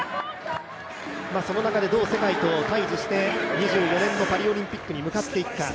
その中でどう世界と対峙して２４年のパリオリンピックに向かっていくか。